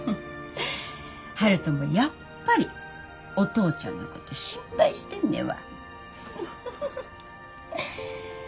悠人もやっぱりお父ちゃんのこと心配してんねやわ。